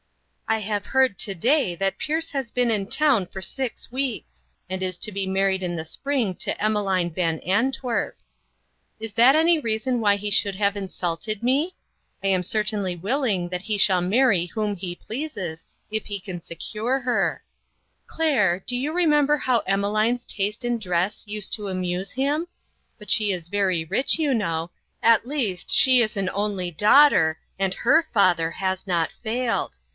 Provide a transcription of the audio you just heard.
" I have heard to day that Pierce has been in town for six weeks, and is to be married in the spring to Emmeline Van Antwerp. Is that any reason why he should have insulted me? I am certainly willingr LOST FRIENDS. 247 that he shall marry whom he pleases, if he can secure her. Claire, do you remember how Emmeline's taste in dress used to amuse him? But she is very rich, you know; at least, she is an only daughter, and her father has not failed.